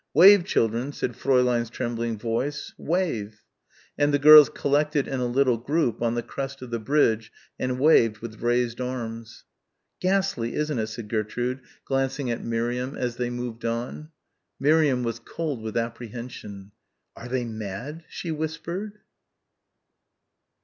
"Wave, children," said Fräulein's trembling voice, "wave" and the girls collected in a little group on the crest of the bridge and waved with raised arms. "Ghastly, isn't it?" said Gertrude, glancing at Miriam as they moved on. Miriam was cold with apprehension. "Are they mad?" she whispered.